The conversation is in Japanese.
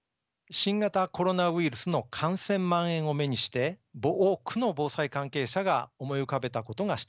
新型コロナウイルスの感染まん延を目にして多くの防災関係者が思い浮かべた事が１つあります。